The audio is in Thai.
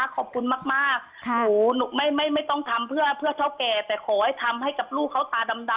ขอบคุณมากหนูไม่ต้องทำเพื่อเท่าแก่แต่ขอให้ทำให้กับลูกเขาตาดำ